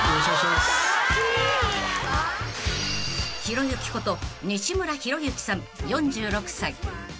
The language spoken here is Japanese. ［ひろゆきこと西村博之さん４６歳］